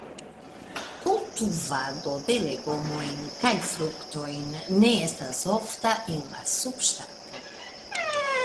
Kultuvado de legomojn kaj fruktojn ne estas ofta en la subŝtato.